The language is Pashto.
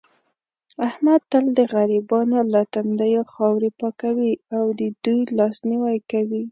احمد تل د غریبانو له تندیو خاورې پاکوي او دې دوی لاس نیوی کوي.